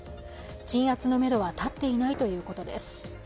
鎮圧のめどは立っていないということです。